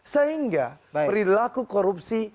sehingga perilaku korupsi